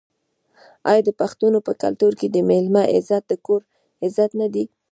آیا د پښتنو په کلتور کې د میلمه عزت د کور عزت نه دی؟